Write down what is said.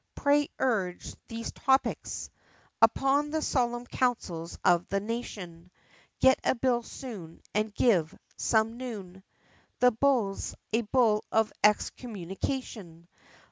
pray urge these topics Upon the Solemn Councils of the Nation, Get a Bill soon, and give, some noon, The Bulls, a Bull of Excommunication!